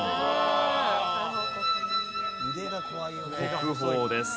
国宝です。